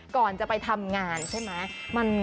ก่อนจะไปทำงานใช่ไหม